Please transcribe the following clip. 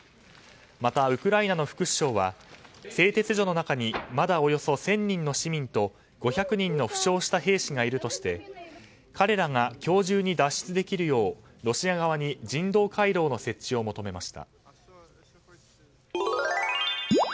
また、ウクライナの副首相は製鉄所の中にまだおよそ１０００人の市民と５００人の負傷した兵士がいるとして彼らが今日中に脱出できるようロシア側に人道回廊の設置を求めました。